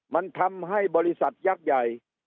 มันทำให้บริษัทยักษ์ใหญ่